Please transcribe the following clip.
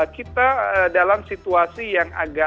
kita dalam situasi yang agak